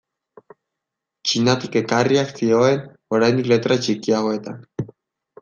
Txinatik ekarriak zioen oraindik letra txikiagoetan.